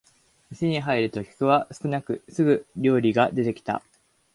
店に入ると客は少なくすぐに料理が出てきた